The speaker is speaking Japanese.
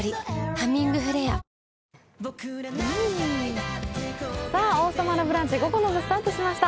「ハミングフレア」さあ「王様のブランチ」、午後の部スタートしました。